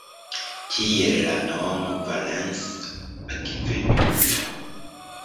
Tiel la nomo Valens-akvedukto.